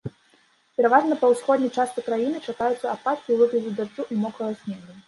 Пераважна па ўсходняй частцы краіны чакаюцца ападкі ў выглядзе дажджу і мокрага снегу.